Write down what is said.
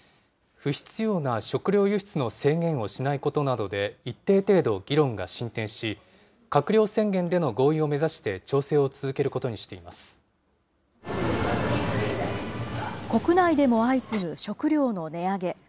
不必要な食料輸出の制限をしないことなどで、一定程度議論が進展し、閣僚宣言での合意を目指して調整を続けることにしていま国内でも相次ぐ食料の値上げ。